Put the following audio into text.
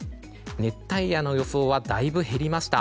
熱帯夜の予想はだいぶ減りました。